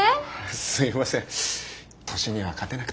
すいません年には勝てなくて。